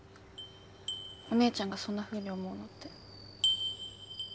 お姉ちゃんがそんなふうに思うのって。